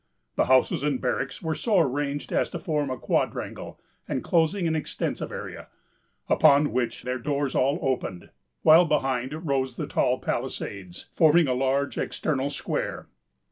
The houses and barracks were so ranged as to form a quadrangle, enclosing an extensive area, upon which their doors all opened, while behind rose the tall palisades, forming a large external square.